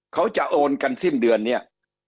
เขาจะโอนกันสิ้นเดือนเนี่ย